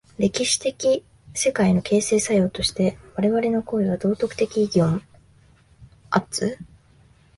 歴史的世界の形成作用として我々の行為は道徳的意義を有つ。